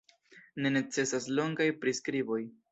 Ne necesas longaj priskriboj.